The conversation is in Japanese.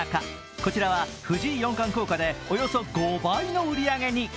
こちらは藤井四冠効果でおよそ５倍の売り上げに。